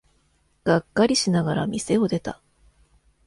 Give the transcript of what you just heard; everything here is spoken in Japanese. がっかりしながら店を出た。